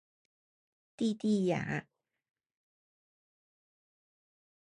蒂蒂雅。